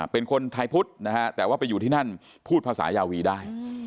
เป็นคนไทยพุทธนะฮะแต่ว่าไปอยู่ที่นั่นพูดภาษายาวีได้